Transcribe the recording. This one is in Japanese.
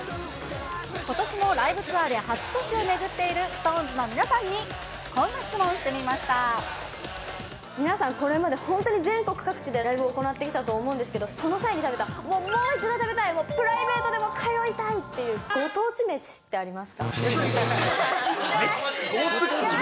ことしのライブツアーで８都市を巡っている、ＳｉｘＴＯＮＥＳの皆さん、これまで本当に全国各地でライブを行ってきたと思うんですけど、その際に食べた、もう一度食べたいプライベートでも通いたいっていうご当地めちっ惜しいなぁ。